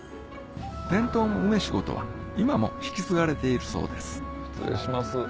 伝統の梅仕事は今も引き継がれているそうです失礼します。